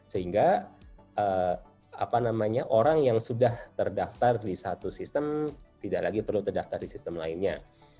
sehingga orang yang sudah terdaftar di satu sistem tidak lagi perlu terdaftar di sistem lainnya